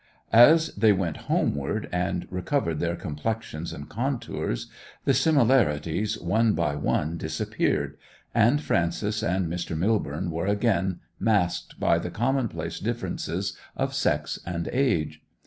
As they went homeward, and recovered their complexions and contours, the similarities one by one disappeared, and Frances and Mr. Millborne were again masked by the commonplace differences of sex and age.